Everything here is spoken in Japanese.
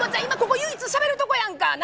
今ここ唯一しゃべるとこやんか。